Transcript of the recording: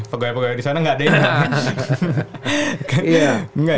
pegawai pegawai disana gak ada ini